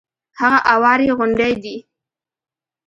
هغه اوارې غونډې دي.